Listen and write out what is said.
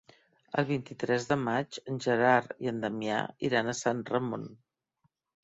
El vint-i-tres de maig en Gerard i en Damià iran a Sant Ramon.